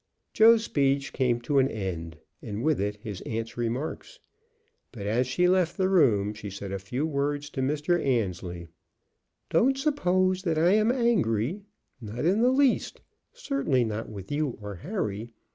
Joe's speech came to an end, and with it his aunt's remarks. But as she left the room she said a few words to Mr. Annesley. "Don't suppose that I am angry, not in the least; certainly not with you or Harry.